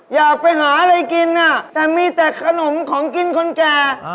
อยากไปหาอะไรกินน่ะแต่มีแต่ขนมของกินคนแก่